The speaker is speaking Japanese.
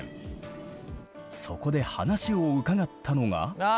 そこで話を伺ったのが。